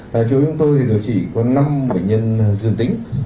tại chỗ chúng tôi thì điều trị có năm bệnh nhân dường tính